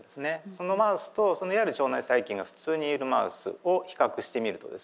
そのマウスといわゆる腸内細菌が普通にいるマウスを比較してみるとですね